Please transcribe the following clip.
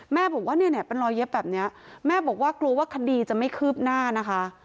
แม่บอกว่าเนี่ยเป็นรอยเย็บแบบนี้แม่บอกว่ากลัวว่าคดีจะไม่คืบหน้านะคะ